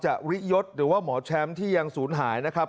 ริยศหรือว่าหมอแชมป์ที่ยังศูนย์หายนะครับ